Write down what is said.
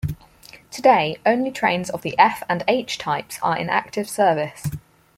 Today, only trains of the F and H types are in active service.